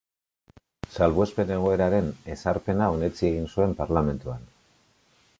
Salbuespen-egoeraren ezarpena onetsi egin zuen parlamentuan.